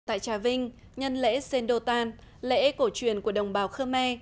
tại trà vinh nhân lễ sên đô tan lễ cổ truyền của đồng bào khơ me